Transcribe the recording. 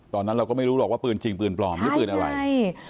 ตอนนั้นเราก็ไม่รู้หรอกว่าปืนจริงปืนปลอมหรือปืนอะไรใช่